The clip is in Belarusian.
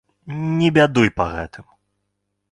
Не бядуй па гэтым!